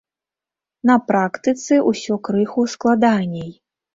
На практыцы ўсё крыху складаней.